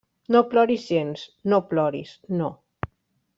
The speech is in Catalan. No ploris gens; no ploris, no.